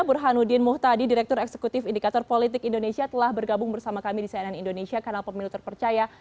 burhanuddin muhtadi direktur eksekutif indikator politik indonesia telah bergabung bersama kami di cnn indonesia kanal pemilu terpercaya